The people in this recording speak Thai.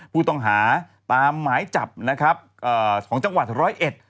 ผู้ต้องหาตามหมายจับของจังหวัดร้อยเอ็ด